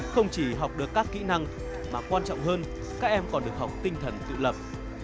không chỉ học được các kỹ năng mà quan trọng hơn các em còn được học tinh thần tự lập